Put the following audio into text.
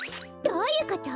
どういうこと？